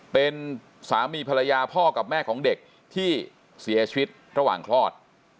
เป็นสามีภรรยาพ่อกับแม่ของเด็กที่เสียชีวิตระหว่างคลอด